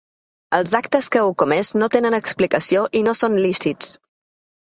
Els actes que heu comès no tenen explicació i no són lícits.